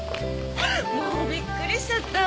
もうびっくりしちゃった。